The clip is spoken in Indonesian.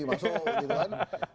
masuk gitu kan